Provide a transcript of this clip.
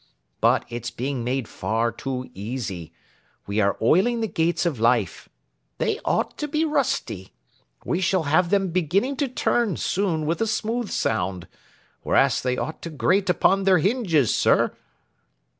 But, it's being made far too easy. We are oiling the gates of life. They ought to be rusty. We shall have them beginning to turn, soon, with a smooth sound. Whereas they ought to grate upon their hinges, sir.